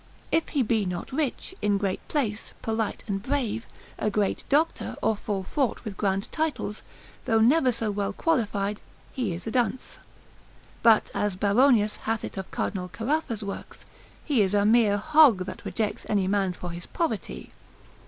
If he be not rich, in great place, polite and brave, a great doctor, or full fraught with grand titles, though never so well qualified, he is a dunce; but, as Baronius hath it of Cardinal Caraffa's works, he is a mere hog that rejects any man for his poverty.